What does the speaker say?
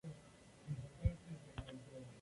Acompañando platos de morcilla asada.